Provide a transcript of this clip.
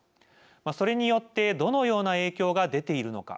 それによってどのような影響が出ているのか。